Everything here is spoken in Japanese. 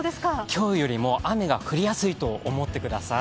今日より雨が降りやすいと思ってください。